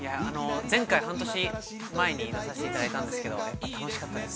◆前回半年前に出させていただいたんですけど、楽しかったです。